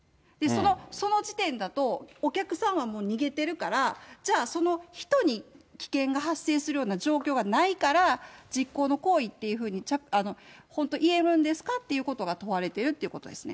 その時点だと、お客さんはもう逃げてるから、じゃあ、人に危険が発生するような状況はないから、実行の行為っていうふうに、本当に言えるんですかということが問われているということですね。